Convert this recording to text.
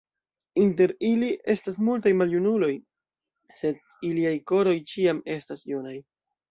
Inter ili estas multaj maljunuloj, sed iliaj koroj ĉiam estas junaj.